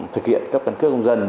thực hiện cấp cân cước công dân